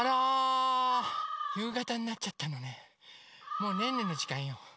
もうねんねのじかんよ。